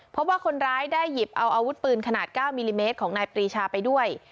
เพราะว่าคนร้ายได้หยิบเอาอาวุธปืนขนาด๙มิลลิเมตรของนายปรีชาไปด้วย